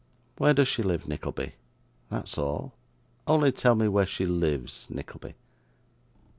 Where does she live, Nickleby, that's all? Only tell me where she lives, Nickleby.